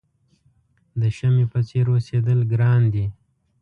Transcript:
د شمعې په څېر اوسېدل ګران دي.